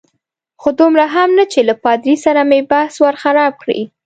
خو دومره هم نه چې له پادري سره مې بحث ور خراب کړي.